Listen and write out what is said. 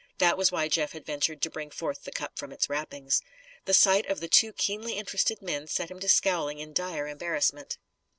That was why Jeff had ventured to bring forth the cup from its wrappings. The sight of the two keenly interested men set him to scowling in dire embarrassment.